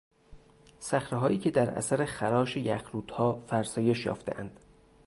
صخرههایی که در اثر خراش یخرودها فرسایش یافتهاند